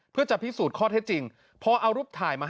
เป็นหน้ากลม